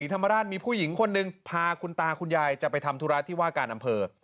ธรรมราชมีผู้หญิงคนหนึ่งพาคุณตาคุณยายจะไปทำธุระที่ว่าการอำเภอ